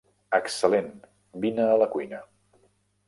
Excel·lent, vine a la cuina.